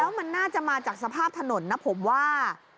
มันน่าจะมาจากสภาพถนนนะผมว่า